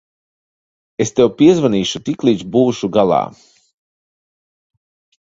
Es tev piezvanīšu, tiklīdz būšu galā.